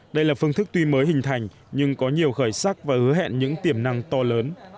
đây là phương thức tuy mới hình thành nhưng có nhiều khởi sắc và hứa hẹn những tiềm năng to lớn